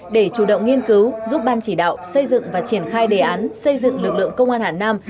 để chủ động nghiên cứu giúp ban chỉ đạo xây dựng và triển khai đề án xây dựng lực lượng công an hà nam